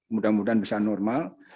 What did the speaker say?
mudah mudahan bisa normal